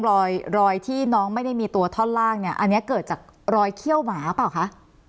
รอยรอยที่น้องไม่ได้มีตัวท่อนล่างเนี่ยอันนี้เกิดจากรอยเขี้ยวหมาเปล่าคะ